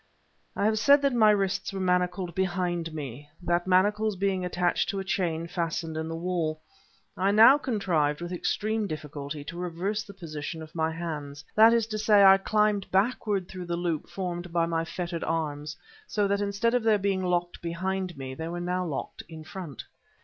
I have said that my wrists were manacled behind me, the manacles being attached to a chain fastened in the wall. I now contrived, with extreme difficulty, to reverse the position of my hands; that is to say, I climbed backward through the loop formed by my fettered arms, so that instead of their being locked behind me, they now were locked in front.